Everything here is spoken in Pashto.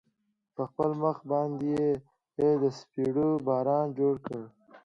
په خپل مخ باندې يې د څپېړو باران جوړ كړ.